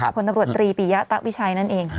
ผลตำรวจตรีปียะตะวิชัยนั่นเอง